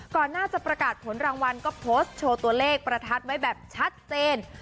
ก่อนหน้าจะประกาศผลรางวัลก็โพสต์โชว์ตัวเลขประทัดไว้แบบชัดเจน